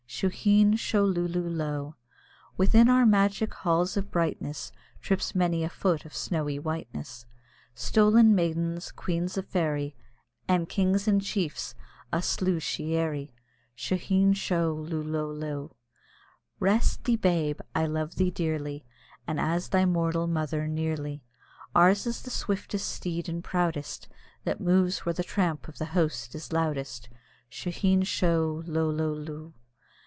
Shuheen sho, lulo lo! Within our magic halls of brightness, Trips many a foot of snowy whiteness; Stolen maidens, queens of fairy And kings and chiefs a sluagh shee airy, Shuheen sho, lulo lo! Rest thee, babe! I love thee dearly, And as thy mortal mother nearly; Ours is the swiftest steed and proudest, That moves where the tramp of the host is loudest. Shuheen sho, lulo lo!